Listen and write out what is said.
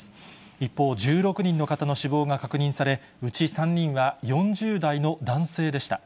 一方、１６人の方の死亡が確認され、うち３人は４０代の男性でした。